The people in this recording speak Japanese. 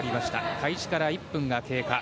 開始から１分が経過。